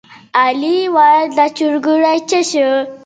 د کلي ملک د اړیکو مسوول وي.